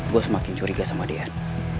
gue semakin curiga sama dean